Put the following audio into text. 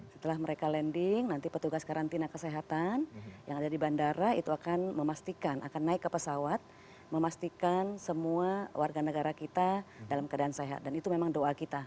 setelah mereka landing nanti petugas karantina kesehatan yang ada di bandara itu akan memastikan akan naik ke pesawat memastikan semua warga negara kita dalam keadaan sehat dan itu memang doa kita